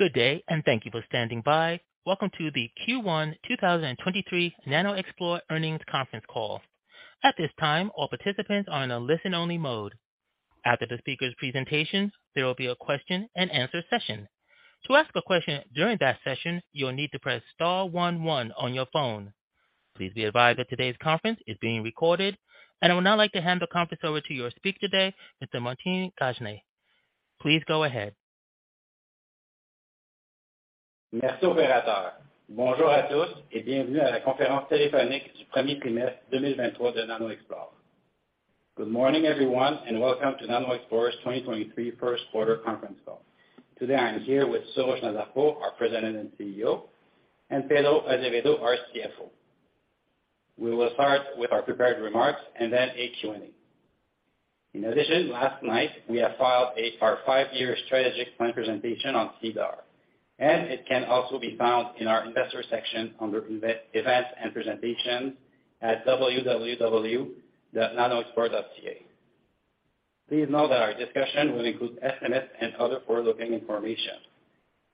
Good day, thank you for standing by. Welcome to the Q1 2023 NanoXplore earnings conference call. At this time, all participants are in a listen only mode. After the speaker's presentation, there will be a question and answer session. To ask a question during that session, you will need to press star one one on your phone. Please be advised that today's conference is being recorded. I would now like to hand the conference over to your speaker today, Mr. Martin Gagné. Please go ahead. Merci opérateur. Bonjour à tous et bienvenue à la conférence téléphonique du premier trimestre 2023 de NanoXplore. Good morning everyone, and welcome to NanoXplore's 2023 first quarter conference call. Today I'm here with Soroush Nazarpour, our president and CEO, and Pedro Azevedo, our CFO. We will start with our prepared remarks and then a Q&A. In addition, last night we have filed our five-year strategic plan presentation on SEDAR, and it can also be found in our investor section under investor events and presentations at www.nanoxplore.ca. Please know that our discussion will include estimates and other forward-looking information,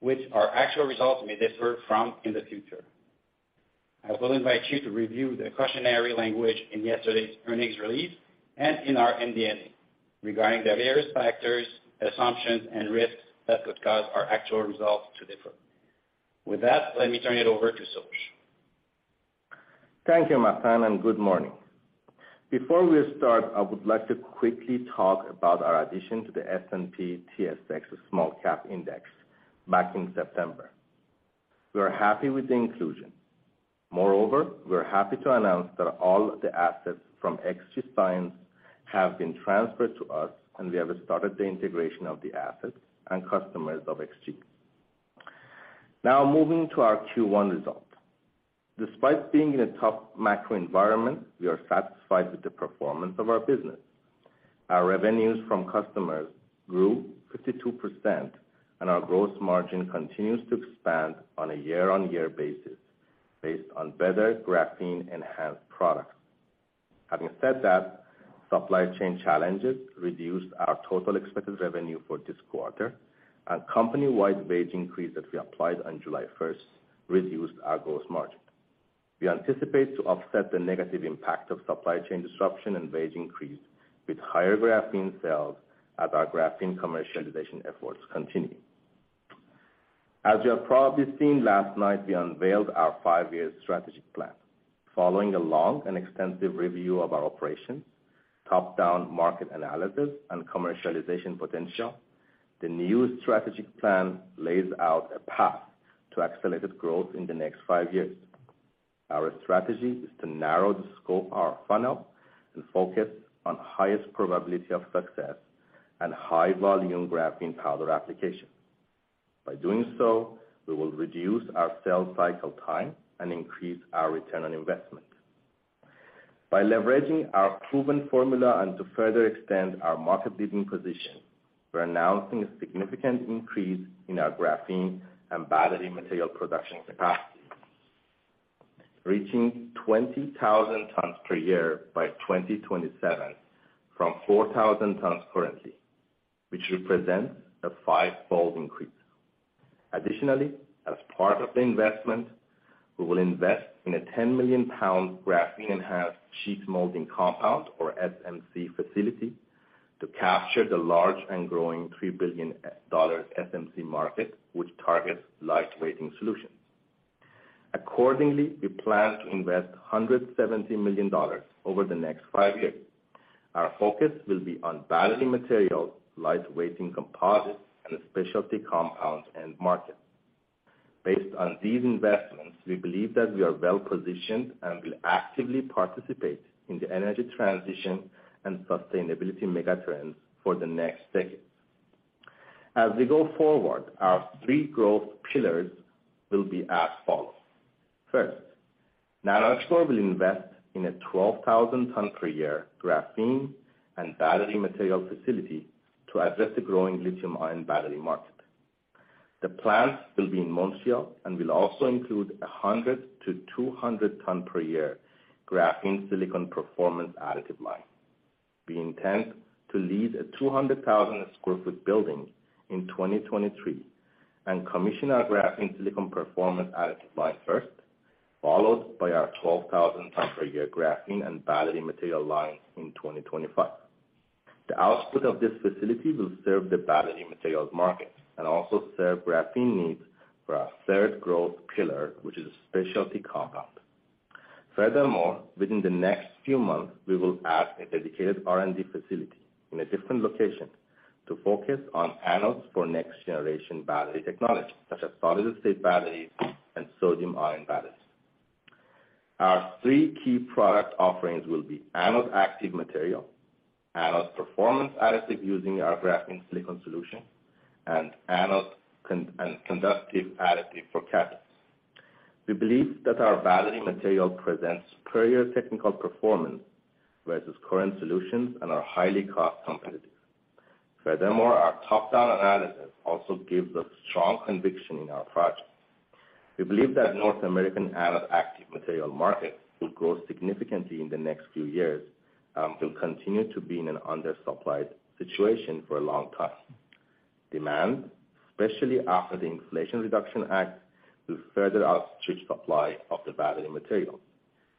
which our actual results may differ from in the future. I will invite you to review the cautionary language in yesterday's earnings release and in our MD&A regarding the various factors, assumptions and risks that could cause our actual results to differ. With that, let me turn it over to Soroush. Thank you, Martin Gagné, and good morning. Before we start, I would like to quickly talk about our addition to the S&P/TSX SmallCap Index back in September. We are happy with the inclusion. Moreover, we're happy to announce that all of the assets from XG Sciences have been transferred to us and we have started the integration of the assets and customers of XG. Now moving to our Q1 result. Despite being in a tough macro environment, we are satisfied with the performance of our business. Our revenues from customers grew 52% and our gross margin continues to expand on a year-on-year basis based on better graphene-enhanced products. Having said that, supply chain challenges reduced our total expected revenue for this quarter, and company-wide wage increase that we applied on July 1 reduced our gross margin. We anticipate to offset the negative impact of supply chain disruption and wage increase with higher graphene sales as our graphene commercialization efforts continue. As you have probably seen, last night we unveiled our five-year strategic plan. Following a long and extensive review of our operations, top-down market analysis, and commercialization potential, the new strategic plan lays out a path to accelerated growth in the next five years. Our strategy is to narrow the scope of our funnel and focus on highest probability of success and high volume graphene powder application. By doing so, we will reduce our sales cycle time and increase our return on investment. By leveraging our proven formula and to further extend our market leading position, we're announcing a significant increase in our graphene and battery material production capacity, reaching 20,000 tons per year by 2027 from 4,000 tons currently, which represents a five-fold increase. Additionally, as part of the investment, we will invest in a 10 million pound graphene-enhanced sheet molding compound or SMC facility to capture the large and growing 3 billion dollars SMC market, which targets lightweighting solutions. Accordingly, we plan to invest 170 million dollars over the next five years. Our focus will be on battery materials, lightweighting composites, and specialty compounds, end markets. Based on these investments, we believe that we are well-positioned and will actively participate in the energy transition and sustainability mega trends for the next decade. As we go forward, our three growth pillars will be as follows. First, NanoXplore will invest in a 12,000 ton per year graphene and battery material facility to address the growing lithium-ion battery market. The plant will be in Montreal and will also include a 100 ton-200 ton per year graphene silicon performance additive line. We intend to lease a 200,000 sq ft building in 2023 and commission our graphene silicon performance additive line first, followed by our 12,000 ton per year graphene and battery material line in 2025. The output of this facility will serve the battery materials market and also serve graphene needs for our third growth pillar, which is a specialty compound. Furthermore, within the next few months, we will add a dedicated R&D facility in a different location to focus on anodes for next generation battery technology, such as solid-state batteries and sodium-ion batteries. Our three key product offerings will be anode active material, anode performance additive using our graphene silicon solution, and conductive additive for cathodes. We believe that our battery material presents superior technical performance versus current solutions and are highly cost competitive. Furthermore, our top-down analysis also gives us strong conviction in our project. We believe that North American anode active material market will grow significantly in the next few years, will continue to be in an undersupplied situation for a long time. Demand, especially after the Inflation Reduction Act, will further outstrip supply of the battery material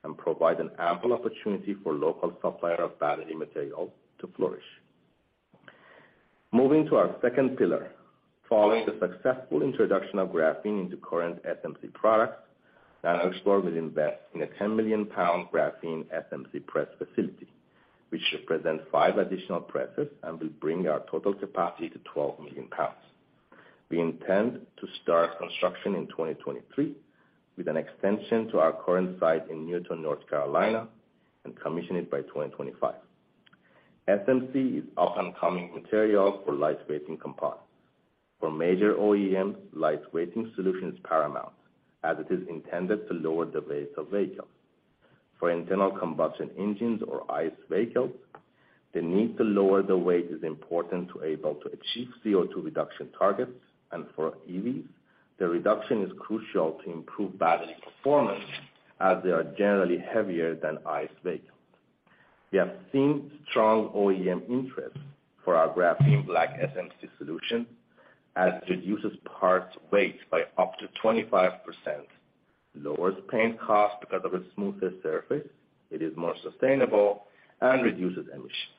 and provide an ample opportunity for local supplier of battery material to flourish. Moving to our second pillar. Following the successful introduction of graphene into current SMC products, NanoXplore will invest in a 10 million lbs graphene SMC press facility, which should present five additional presses and will bring our total capacity to 12 million lbs. We intend to start construction in 2023 with an extension to our current site in Newton, North Carolina, and commission it by 2025. SMC is up-and-coming material for lightweighting compounds. For major OEMs, lightweighting solution is paramount as it is intended to lower the weight of vehicles. For internal combustion engines or ICE vehicles, the need to lower the weight is important to be able to achieve CO2 reduction targets, and for EVs, the reduction is crucial to improve battery performance as they are generally heavier than ICE vehicles. We have seen strong OEM interest for our GrapheneBlack SMC solution as it reduces parts weight by up to 25%, lowers paint costs because of its smoother surface, it is more sustainable and reduces emissions.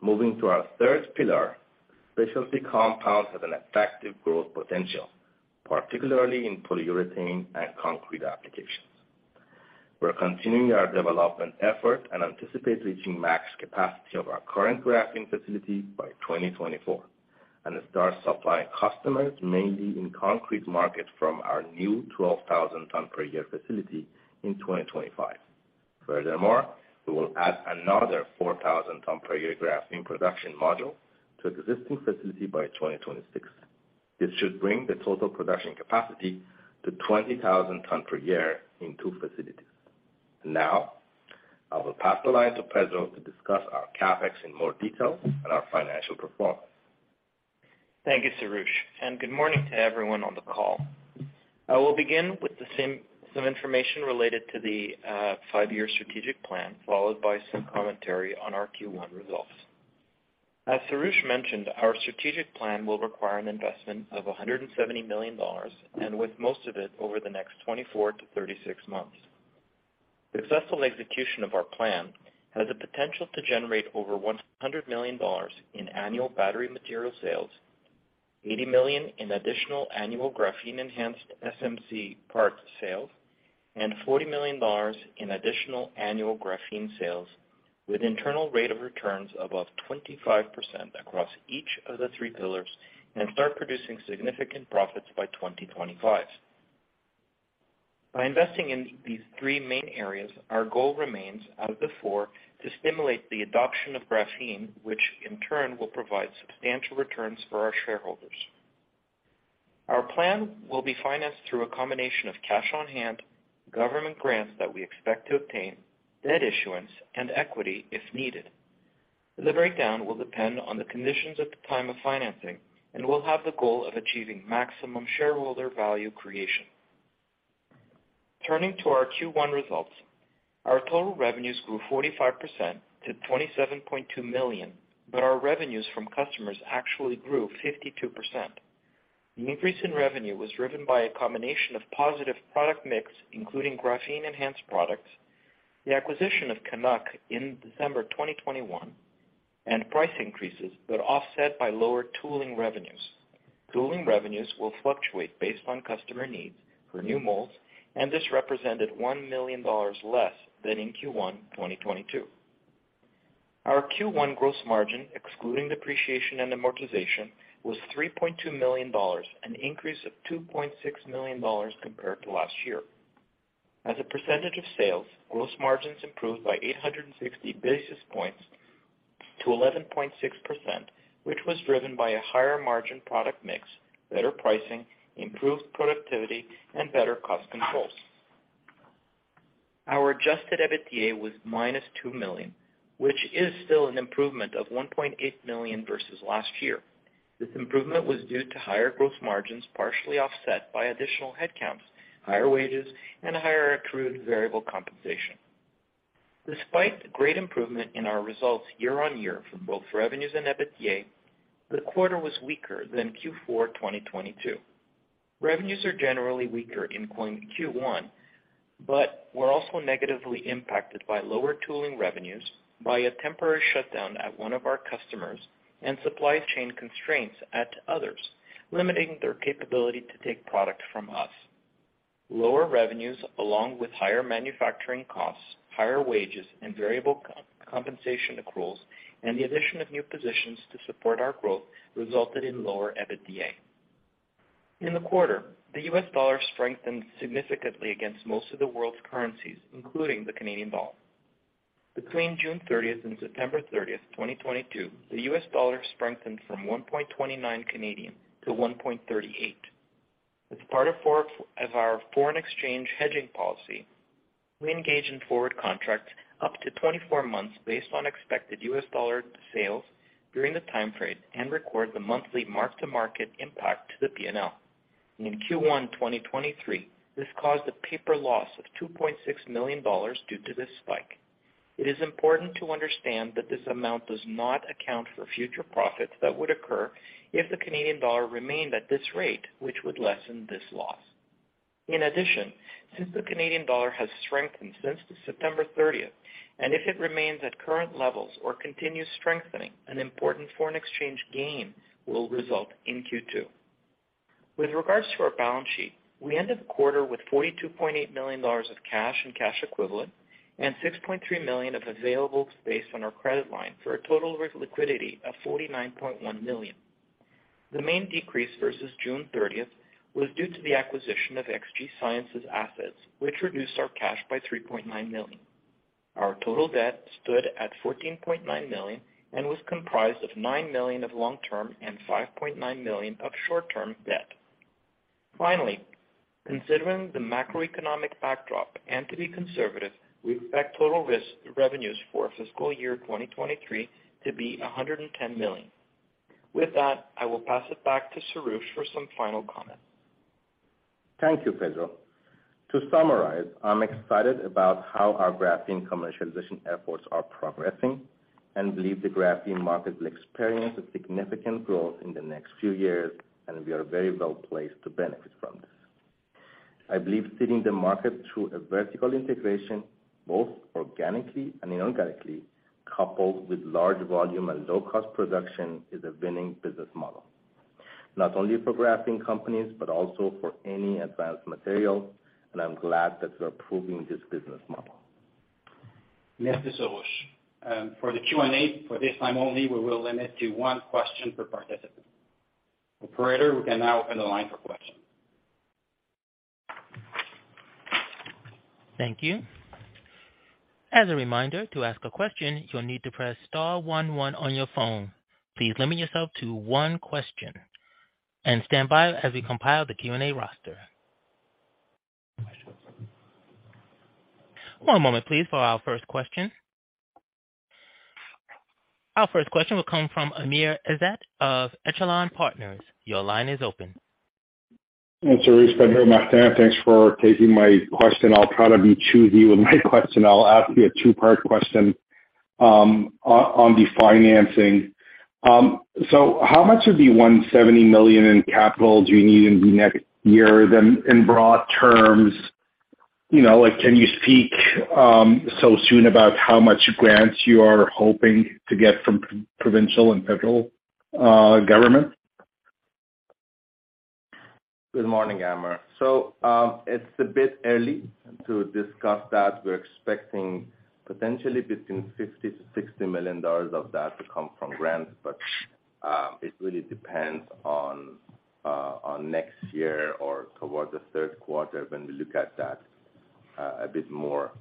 Moving to our third pillar, specialty compounds have an effective growth potential, particularly in polyurethane and concrete applications. We're continuing our development effort and anticipate reaching max capacity of our current graphene facility by 2024, and start supplying customers mainly in concrete market from our new 12,000-ton-per-year facility in 2025. Furthermore, we will add another 4,000-ton-per-year graphene production module to existing facility by 2026. This should bring the total production capacity to 20,000 tons per year in two facilities. Now I will pass the line to Pedro to discuss our CapEx in more detail and our financial performance. Thank you, Soroush, and good morning to everyone on the call. I will begin with some information related to the five-year strategic plan, followed by some commentary on our Q1 results. As Soroush mentioned, our strategic plan will require an investment of 170 million dollars, and with most of it over the next 24-36 months. The successful execution of our plan has the potential to generate over 100 million dollars in annual battery material sales, 80 million in additional annual graphene-enhanced SMC parts sales, and 40 million dollars in additional annual graphene sales, with internal rate of returns above 25% across each of the three pillars and start producing significant profits by 2025. By investing in these three main areas, our goal remains, out of the four, to stimulate the adoption of graphene, which in turn will provide substantial returns for our shareholders. Our plan will be financed through a combination of cash on hand, government grants that we expect to obtain, debt issuance and equity if needed. The breakdown will depend on the conditions at the time of financing and will have the goal of achieving maximum shareholder value creation. Turning to our Q1 results, our total revenues grew 45% to 27.2 million, but our revenues from customers actually grew 52%. The increase in revenue was driven by a combination of positive product mix, including graphene-enhanced products, the acquisition of Canuck in December 2021, and price increases were offset by lower tooling revenues. Tooling revenues will fluctuate based on customer needs for new molds, and this represented 1 million dollars less than in Q1 2022. Our Q1 gross margin, excluding depreciation and amortization, was 3.2 million dollars, an increase of 2.6 million dollars compared to last year. As a percentage of sales, gross margins improved by 860 basis points to 11.6%, which was driven by a higher margin product mix, better pricing, improved productivity and better cost controls. Our adjusted EBITDA was -2 million, which is still an improvement of 1.8 million versus last year. This improvement was due to higher gross margins, partially offset by additional headcounts, higher wages, and higher accrued variable compensation. Despite great improvement in our results year-over-year for both revenues and EBITDA, the quarter was weaker than Q4 2022. Revenues are generally weaker in Q1, but were also negatively impacted by lower tooling revenues, a temporary shutdown at one of our customers and supply chain constraints at others, limiting their capability to take product from us. Lower revenues along with higher manufacturing costs, higher wages and variable compensation accruals, and the addition of new positions to support our growth resulted in lower EBITDA. In the quarter, the US dollar strengthened significantly against most of the world's currencies, including the Canadian dollar. Between June 30th and September 30th, 2022, the US dollar strengthened from 1.29 to 1.38. As part of our foreign exchange hedging policy, we engage in forward contracts up to 24 months based on expected US dollar sales during the time frame and record the monthly mark-to-market impact to the P&L. In Q1 2023, this caused a paper loss of 2.6 million dollars due to this spike. It is important to understand that this amount does not account for future profits that would occur if the Canadian dollar remained at this rate, which would lessen this loss. In addition, since the Canadian dollar has strengthened since September 30th, and if it remains at current levels or continues strengthening, an important foreign exchange gain will result in Q2. With regards to our balance sheet, we end the quarter with 42.8 million dollars of cash and cash equivalent, and 6.3 million of available space on our credit line for a total risk liquidity of 49.1 million. The main decrease versus June 30th was due to the acquisition of XG Sciences assets, which reduced our cash by 3.9 million. Our total debt stood at 14.9 million and was comprised of 9 million of long-term and 5.9 million of short-term debt. Finally, considering the macroeconomic backdrop and to be conservative, we expect total risk revenues for fiscal year 2023 to be 110 million. With that, I will pass it back to Soroush for some final comments. Thank you, Pedro. To summarize, I'm excited about how our graphene commercialization efforts are progressing and believe the graphene market will experience a significant growth in the next few years, and we are very well placed to benefit from this. I believe feeding the market through a vertical integration, both organically and inorganically, coupled with large volume and low-cost production, is a winning business model, not only for graphene companies, but also for any advanced material. I'm glad that we are proving this business model. For the Q&A, for this time only, we will limit to one question per participant. Operator, we can now open the line for questions. Thank you. As a reminder, to ask a question, you'll need to press star one one on your phone. Please limit yourself to one question and stand by as we compile the Q&A roster. One moment please for our first question. Our first question will come from Amr Ezzat of Echelon Partners. Your line is open. Soroush Nazarpour, Pedro Azevedo, thanks for taking my question. I'll try to be choosy with my question. I'll ask you a two-part question, on the financing. How much of the 170 million in capital do you need in the next year? In broad terms, you know, like, can you speak so soon about how much grants you are hoping to get from provincial and federal government? Good morning, Amr. It's a bit early to discuss that. We're expecting potentially between 50 million-60 million dollars of that to come from grants, but it really depends on next year or towards the third quarter when we look at that a bit more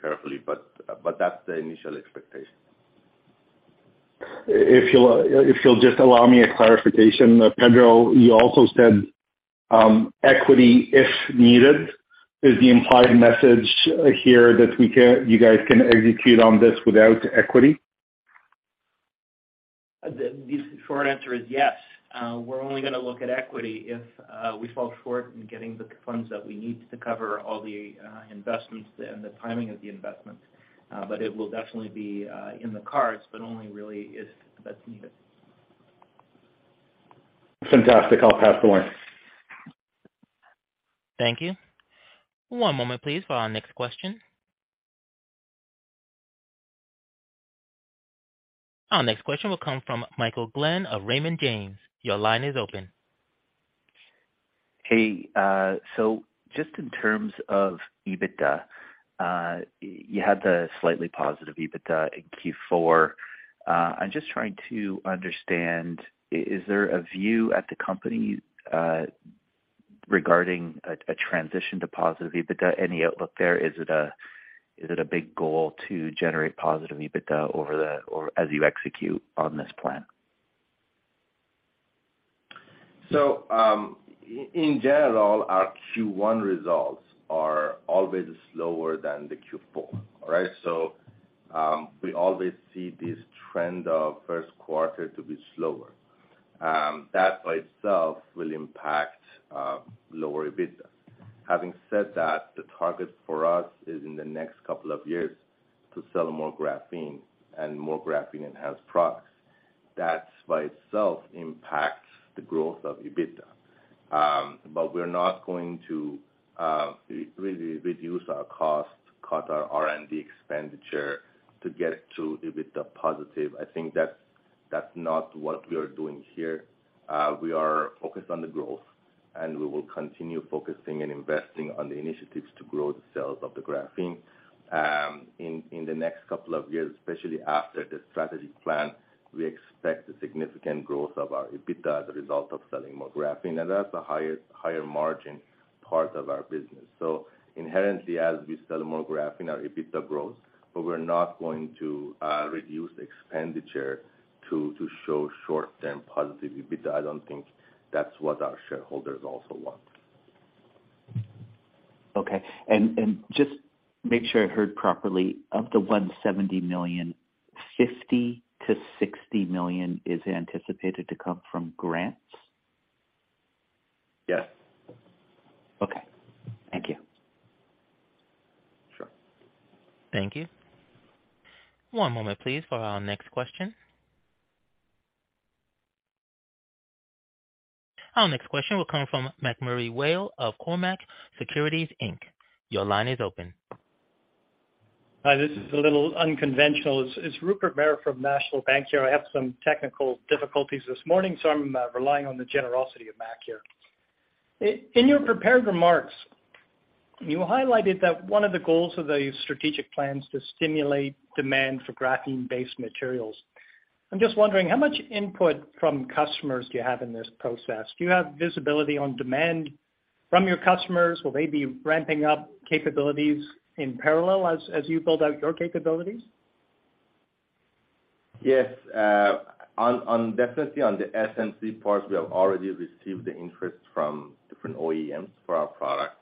carefully. That's the initial expectation. If you'll just allow me a clarification. Pedro, you also said equity if needed. Is the implied message here that you guys can execute on this without equity? The short answer is yes. We're only gonna look at equity if we fall short in getting the funds that we need to cover all the investments and the timing of the investments. It will definitely be in the cards, but only really if that's needed. Fantastic. I'll pass the line. Thank you. One moment please for our next question. Our next question will come from Michael Glen of Raymond James. Your line is open. Hey, just in terms of EBITDA, you had the slightly positive EBITDA in Q4. I'm just trying to understand, is there a view at the company regarding a transition to positive EBITDA? Any outlook there? Is it a big goal to generate positive EBITDA over the or as you execute on this plan? In general, our Q1 results are always slower than the Q4. All right. We always see this trend of first quarter to be slower. That by itself will impact lower EBITDA. Having said that, the target for us is in the next couple of years to sell more graphene and more graphene-enhanced products. That by itself impacts the growth of EBITDA. We're not going to reduce our costs, cut our R&D expenditure to get to EBITDA positive. I think that's not what we are doing here. We are focused on the growth, and we will continue focusing and investing on the initiatives to grow the sales of the graphene. In the next couple of years, especially after the strategy plan, we expect a significant growth of our EBITDA as a result of selling more graphene, and that's a higher margin part of our business. Inherently, as we sell more graphene, our EBITDA grows, but we're not going to reduce expenditure to show short-term positive EBITDA. I don't think that's what our shareholders also want. Okay. Just make sure I heard properly, of the 170 million, 50 million-60 million is anticipated to come from grants? Yes. Okay. Thank you. Sure. Thank you. One moment please for our next question. Our next question will come from MacMurray Whale of Cormark Securities Inc. Your line is open. Hi. This is a little unconventional. It's Rupert Merer from National Bank here. I have some technical difficulties this morning, so I'm relying on the generosity of Mac here. In your prepared remarks, you highlighted that one of the goals of the strategic plan is to stimulate demand for graphene-based materials. I'm just wondering how much input from customers do you have in this process? Do you have visibility on demand from your customers? Will they be ramping up capabilities in parallel as you build out your capabilities? Yes, on the SMC parts, we have already received the interest from different OEMs for our product.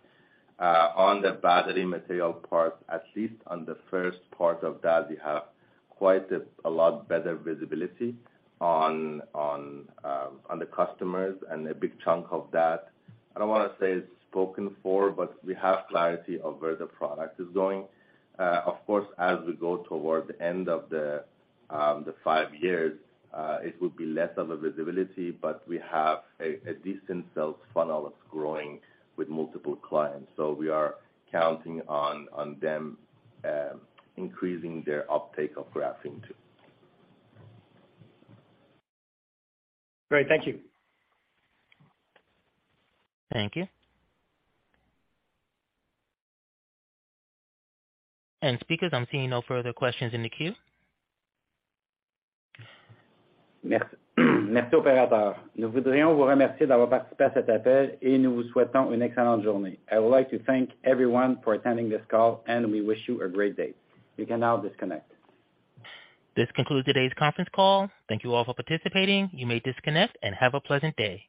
On the battery material part, at least on the first part of that, we have quite a lot better visibility on the customers and a big chunk of that. I don't wanna say it's spoken for, but we have clarity of where the product is going. Of course, as we go toward the end of the five years, it will be less of a visibility, but we have a decent sales funnel that's growing with multiple clients. We are counting on them increasing their uptake of graphene too. Great. Thank you. Thank you. Speakers, I'm seeing no further questions in the queue. Merci. Merci opérateur. Nous voudrions vous remercier d'avoir participé à cet appel, et nous vous souhaitons une excellente journée. I would like to thank everyone for attending this call, and we wish you a great day. You can now disconnect. This concludes today's conference call. Thank you all for participating. You may disconnect and have a pleasant day.